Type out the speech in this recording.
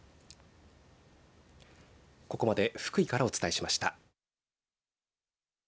ここまで福井からお伝えしました。